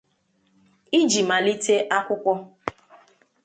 iji malite akwụkwọ.